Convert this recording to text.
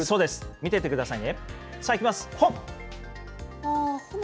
見ててくださいね。